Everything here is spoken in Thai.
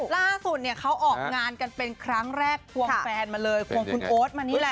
ล่าสุดเนี่ยเขาออกงานกันเป็นครั้งแรกควงแฟนมาเลยควงคุณโอ๊ตมานี่แหละ